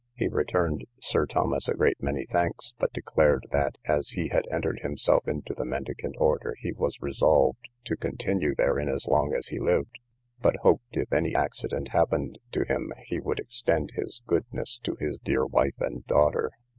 He returned Sir Thomas a great many thanks, but declared, that, as he had entered himself into the mendicant order, he was resolved to continue therein as long as he lived; but hoped if any accident happened to him, he would extend his goodness to his dear wife and daughter.